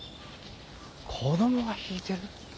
子どもが引いてる。